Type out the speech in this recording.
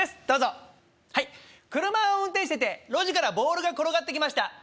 どうぞはい車を運転してて路地からボールが転がってきました